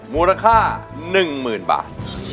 มูลค่า๑หมื่นบาท